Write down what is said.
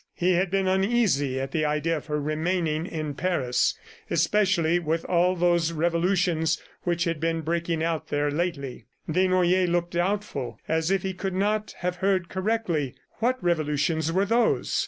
He had been uneasy at the idea of her remaining in Paris ... especially with all those revolutions which had been breaking out there lately! ... Desnoyers looked doubtful as if he could not have heard correctly. What revolutions were those?